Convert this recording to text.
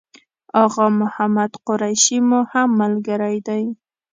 آغا محمد قریشي مو هم ملګری دی.